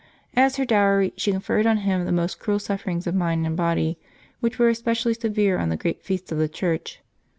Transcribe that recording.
As her dowry, she conferred on him the most cruel sufferings of mind and body, which were especially severe on the great feasts of the Church.